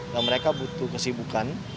dan mereka butuh kesibukan